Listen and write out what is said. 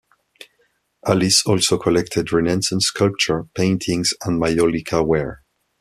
Alice also collected Renaissance sculpture, paintings and maiolica ware.